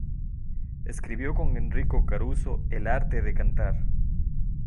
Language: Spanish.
Escribió con Enrico Caruso "El arte de cantar".